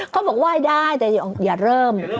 เขาบอกไหว้ได้แต่อย่าเริ่ม